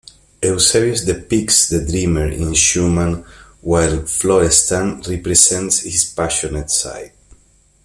Eusebius depicts the dreamer in Schumann while Florestan represents his passionate side.